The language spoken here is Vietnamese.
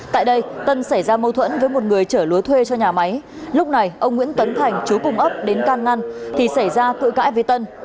tại đây tân xảy ra mâu thuẫn với một người chở lúa thuê cho nhà máy lúc này ông nguyễn tấn thành chú cùng ấp đến can ngăn thì xảy ra cự cãi với tân